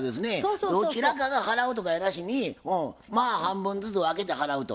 どちらかが払うとかやなしにまあ半分ずつ分けて払うと。